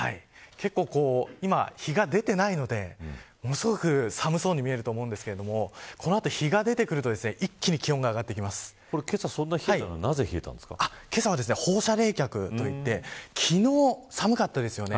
今、日が出てないのでものすごく寒そうに見えると思うんですがこの後、日が出てくるとけさ、そんなに冷えたのはけさは放射冷却といって昨日寒かったですよね。